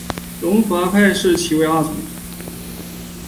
龙华派视其为二祖。